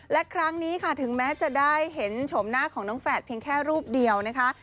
และครั้งนี้ค่ะถึงแม้จะได้เห็นชมหน้าของน้องแฝดเพียงแค่รูปเดียวนะคะ